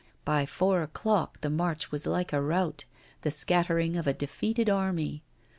By four o'clock the march was like a rout the scattering of a defeated army.